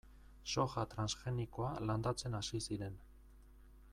Soja transgenikoa landatzen hasi ziren.